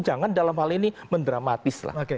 jangan dalam hal ini mendramatis lah